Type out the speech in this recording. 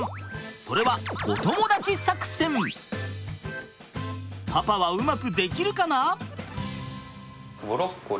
それはパパはうまくできるかな！？